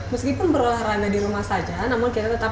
meskipun berolahraga di rumah saja